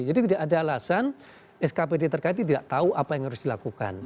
jadi tidak ada alasan skpd terkait tidak tahu apa yang harus dilakukan